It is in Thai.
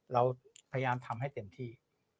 เราพยายามทำให้เต็มที่